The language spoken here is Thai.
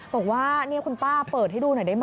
บอกว่านี่คุณป้าเปิดให้ดูหน่อยได้ไหม